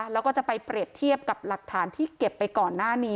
แล้วก็จะไปเปรียบเทียบกับหลักฐานที่เก็บไปก่อนหน้านี้